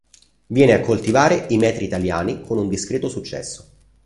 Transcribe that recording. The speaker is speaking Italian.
Venne a coltivare i metri italiani con un discreto successo.